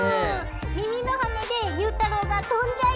耳の羽根でゆうたろうが飛んじゃいそう。